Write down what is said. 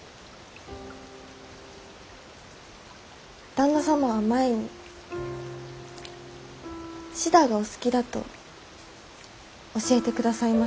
旦那様は前にシダがお好きだと教えてくださいました。